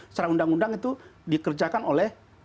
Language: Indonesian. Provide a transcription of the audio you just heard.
secara undang undang itu dikerjakan oleh